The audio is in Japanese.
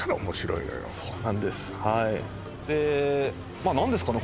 まあ何ですかね